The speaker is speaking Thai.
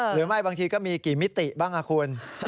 หรือไม่บางทีก็มีกี่มิติบ้างคุณ